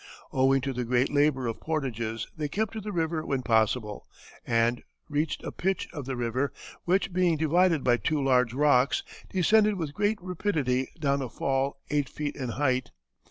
Owing to the great labor of portages they kept to the river when possible, and "reached a pitch of the river, which, being divided by two large rocks, descended with great rapidity down a fall eight feet in height.